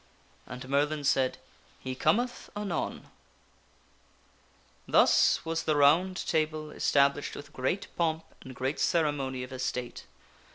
And Merlin said :" He cometh anon." Thus was the Round Table established with great pomp and great cere mony of estate.